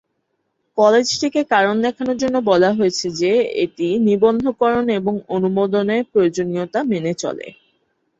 কলেজটিকে কারণ দেখানোর জন্য বলা হয়েছে যে এটি "নিবন্ধকরণ এবং অনুমোদনের প্রয়োজনীয়তা মেনে চলে"।